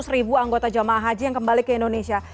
seratus ribu anggota jamaah haji yang kembali ke indonesia